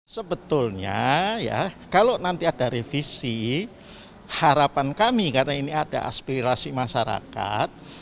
sebetulnya ya kalau nanti ada revisi harapan kami karena ini ada aspirasi masyarakat